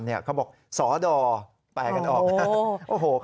เค้าบอกสอดอแปลกันออก